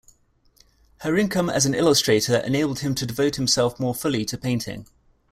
Her income as an illustrator enabled him to devote himself more fully to painting.